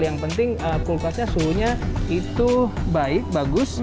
yang penting kulkasnya suhunya itu baik bagus